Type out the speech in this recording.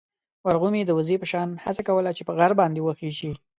ورغومي د وزې په شان هڅه کوله چې غر باندې وخېژي.